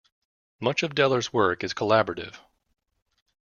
Much of Deller's work is collaborative.